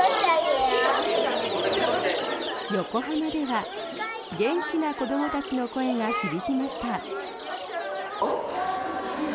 横浜では元気な子どもたちの声が響きました。